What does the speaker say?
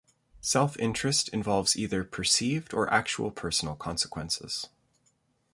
Self-interest involves either perceived or actual personal consequences.